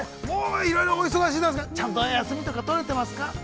もういろいろお忙しいですが、ちゃんと休みとかとれてますか。